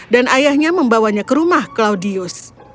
dan ayahnya membawanya ke rumah claudius